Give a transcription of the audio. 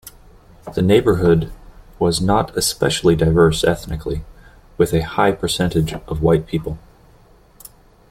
The neighborhood was "not especially diverse" ethnically, with a high percentage of white people.